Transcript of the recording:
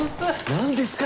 何ですか？